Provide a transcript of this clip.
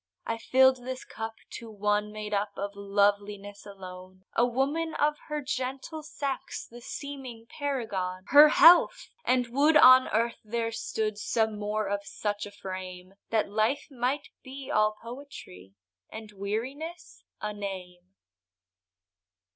I fill'd this cup to one made up Of loveliness alone, A woman, of her gentle sex The seeming paragon— Her health! and would on earth there stood, Some more of such a frame, That life might be all poetry, And weariness a name.